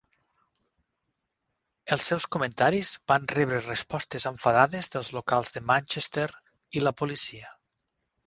Els seus comentaris van rebre respostes enfadades dels locals de Manchester i la policia.